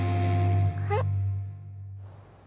えっ？